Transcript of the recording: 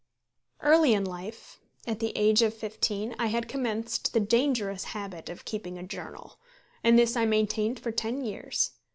Early in life, at the age of fifteen, I had commenced the dangerous habit of keeping a journal, and this I maintained for ten years.